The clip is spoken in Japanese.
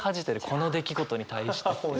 この出来事に対して。